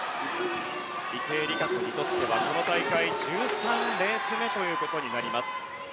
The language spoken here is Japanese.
池江璃花子にとってはこの大会１３レース目となります。